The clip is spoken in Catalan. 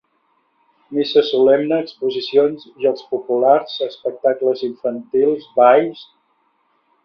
Missa solemne, exposicions, jocs populars, espectacles infantils, balls...